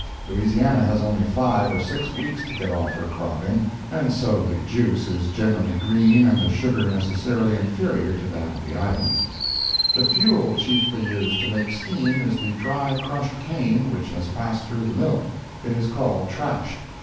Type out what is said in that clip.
Louisiana has only five or six weeks to get off her crop in, and so the juice is generally green and the sugar necessarily inferior to that of the Islands. The fuel chiefly used to make steam is the dry crushed cane which has passed through the mill. It is called "trash."